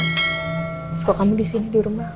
terus kok kamu disini dirumah